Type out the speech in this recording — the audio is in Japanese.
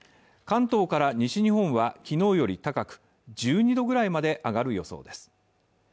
関東から西日本はきのうより高く、１２度ぐらいまで上がる予想です